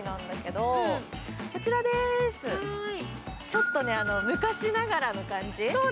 ちょっと昔ながらの感じ。